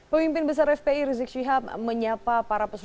pemimpin besar fpi rizik shihab menyapa para pemimpin